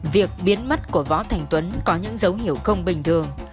việc biến mất của võ thành tuấn có những dấu hiệu không bình thường